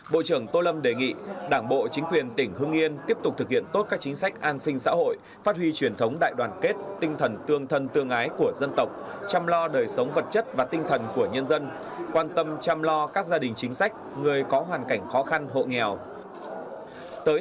bộ trưởng tô lâm đề nghị đảng bộ chính quyền tỉnh hương yên tiếp tục thực hiện tốt các chính sách an sinh xã hội phát huy truyền thống đại đoàn kết tinh thần tương thân tương ái của dân tộc chăm lo đời sống vật chất và tinh thần của nhân dân quan tâm chăm lo các gia đình chính sách người có hoàn cảnh khó khăn hộ nghèo